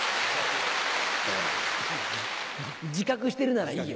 自覚してるならいいよ。